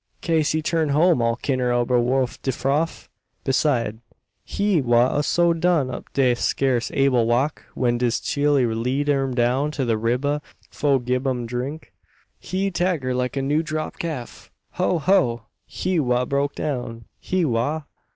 "Kase he turn home all kibbered ober wif de froff. Beside, he wa so done up he scace able walk, when dis chile lead um down to de ribba fo' gib um drink. Hee 'tagger like new drop calf. Ho! ho! he wa broke down he wa!"